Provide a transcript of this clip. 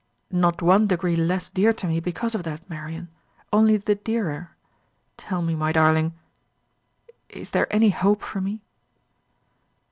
"Not one degree less dear to me because of that, Marian; only the dearer. Tell me, my darling, is there any hope for me?"